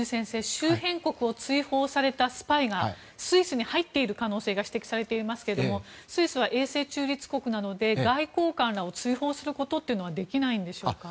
周辺国を追放されたスパイがスイスに入っている可能性が指摘されていますけれどもスイスは永世中立国なので外交官らを追放することはできないんでしょうか？